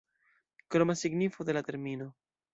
Kroma signifo de la termino.